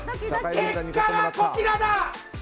結果はこちらだ！